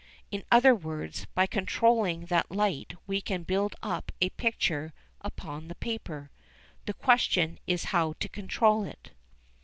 In other words, by controlling that light we can build up a picture upon the paper. The question is how to control it.